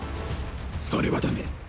それはダメ。